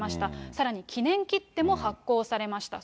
さらに記念切手も発行されました。